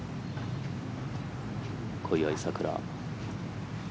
小祝さくら